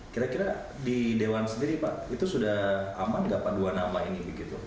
kira kira di dewan sendiri pak itu sudah aman enggak panduan amlah ini begitu